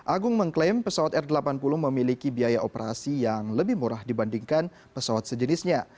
agung mengklaim pesawat r delapan puluh memiliki biaya operasi yang lebih murah dibandingkan pesawat sejenisnya